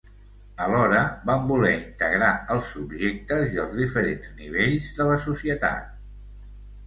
Alhora van voler integrar els subjectes i els diferents nivells de la societat.